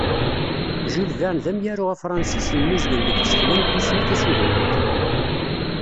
Jules Verne d amyaru afransis yemmuzgen deg tsekla n tussna tasugnant.